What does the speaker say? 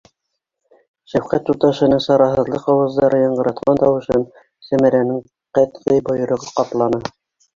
Шәфҡәт туташының сараһыҙлыҡ ауаздары яңғыратҡан тауышын Сәмәрәнең ҡәтғи бойороғо ҡапланы: